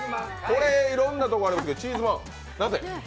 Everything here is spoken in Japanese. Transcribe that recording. いろんなところありますけど、チーズまん、なぜ？